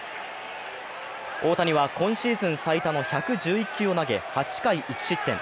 大谷は今シーズン最多の１１１球を投げ、８回１失点。